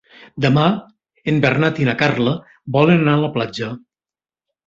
Demà en Bernat i na Carla volen anar a la platja.